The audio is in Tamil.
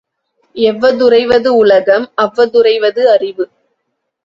எவ்வதுறைவது உலகம் அவ்வதுறைவது அறிவு.